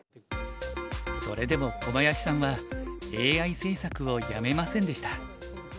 それでも小林さんはＡＩ制作をやめませんでした。